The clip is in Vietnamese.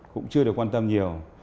cũng chưa được quan tâm nhiều